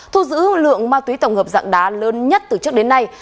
thu giữ lượng ma túy tổng hợp dạng đá lớn nhất từ trước đến nay